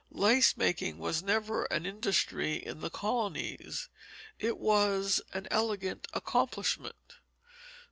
Lace making was never an industry in the colonies; it was an elegant accomplishment.